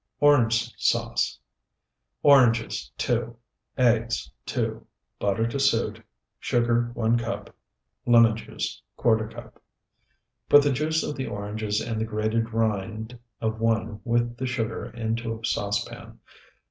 ORANGE SAUCE Oranges, 2. Eggs, 2. Butter to suit. Sugar, 1 cup. Lemon juice, ¼ cup. Put the juice of the oranges and the grated rind of one with the sugar into a saucepan.